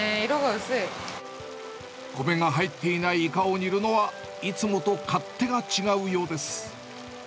米が入っていないイカを煮るのは、いつもと勝手が違うようです。